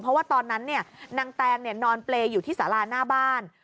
เพราะว่าตอนนั้นนางแตงนอนเปรย์อยู่ที่สาราหน้าบ้าน